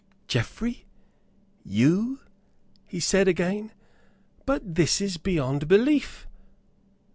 "Geoffrey, you!" he said again. "But this is beyond belief."